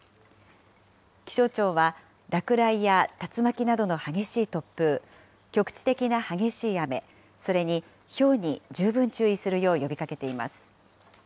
気象庁は落雷や竜巻などの激しい突風、局地的な激しい雨、それにひょうに十分注意するよう呼びかけています。